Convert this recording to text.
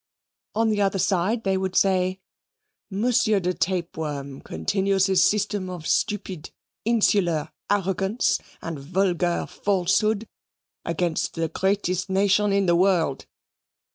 On their side they would say, "M. de Tapeworm continues his system of stupid insular arrogance and vulgar falsehood against the greatest nation in the world.